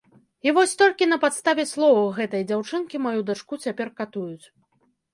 І вось толькі на падставе словаў гэтай дзяўчынкі маю дачку цяпер катуюць.